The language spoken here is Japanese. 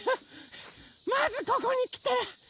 まずここにきて。